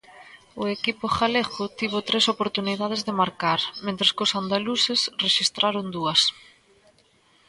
O equipo galego tivo tres oportunidades de marcar, mentres que os andaluces rexistraron dúas.